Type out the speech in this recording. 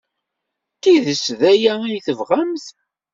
D tidet d aya ay tebɣamt?